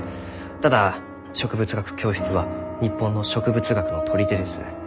ただ植物学教室は日本の植物学の砦です。